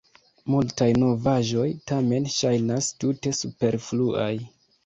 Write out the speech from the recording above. Multaj novaĵoj, tamen, ŝajnas tute superfluaj.